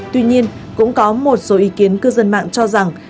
tuy nhiên cũng có một số ý kiến cư dân mạng cho rằng